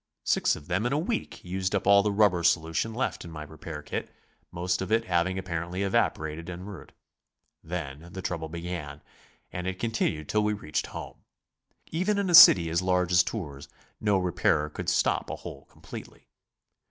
Six of them in a week used up all the rubber solution left in my repair kit, most of it having apparently evaporated en route. Then the trouble began. And it continued till we reached home. Even in a city as large as Tours, no repairer could stop a hole completely.